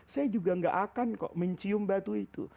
saya juga gak akan kok mencium batu itu